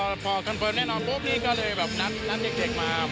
พอคอนเฟิร์มแน่นอนปุ๊บนี่ก็เลยแบบนัดเด็กมา